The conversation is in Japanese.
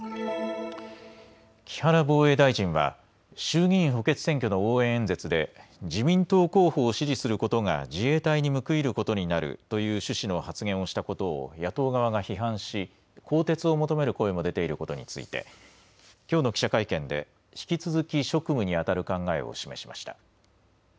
木原防衛大臣は衆議院補欠選挙の応援演説で自民党候補を支持することが自衛隊に報いることになるという趣旨の発言をしたことを野党側が批判し更迭を求める声も出ていることについて、きょうの記者会見で引き続き職務にあたる考えを示しました。